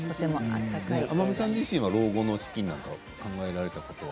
天海さん自身は老後の資金を考えられたことは？